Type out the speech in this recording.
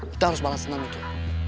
kita harus balas senam itu